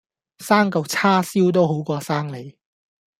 生舊叉燒都好過生你